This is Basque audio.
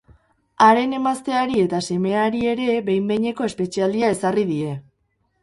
Haren emazteari eta semeari ere behin-behineko espetxealdia ezarri die.